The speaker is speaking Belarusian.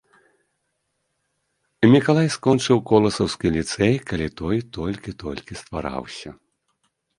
Мікалай скончыў коласаўскі ліцэй, калі той толькі-толькі ствараўся.